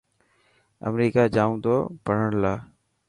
امريڪا جائون تو پڙهڻ لاءِ.